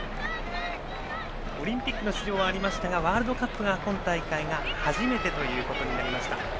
オリンピックの出場はありましたがワールドカップは今大会が初めてとなりました。